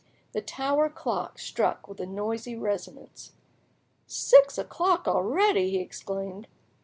The tower clock struck with a noisy resonance. "Six o'clock already!" he exclaimed.